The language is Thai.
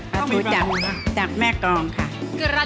ปลาทูจากแม่กองค่ะ